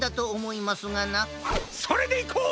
それでいこう！